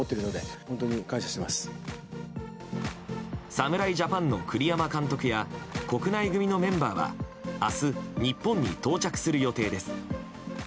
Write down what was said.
侍ジャパンの栗山監督や国内組のメンバーは明日、日本に到着する予定です。